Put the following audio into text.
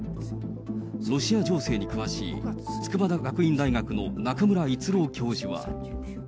ロシア情勢に詳しい筑波学院大学の中村逸郎教授は。